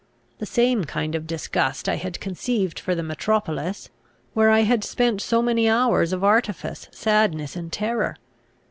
The same kind of disgust I had conceived for the metropolis, where I had spent so many hours of artifice, sadness, and terror.